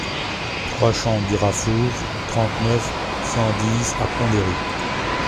trois champ du Rafourg, trente-neuf, cent dix à Pont-d'Héry